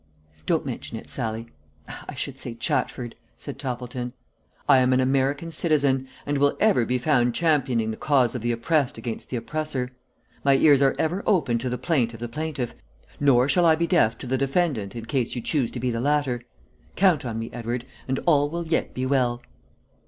"Don't mention it, Sallie I should say Chatford," said Toppleton. "I am an American citizen and will ever be found championing the cause of the oppressed against the oppressor. My ears are ever open to the plaint of the plaintiff, nor shall I be deaf to the defendant in case you choose to be the latter. Count on me, Edward, and all will yet be well!"